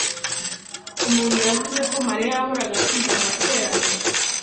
Umuntu yavuze ko Mariya yahoraga atinda mu materaniro